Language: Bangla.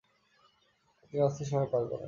তিনি অস্থির সময় পার করেন।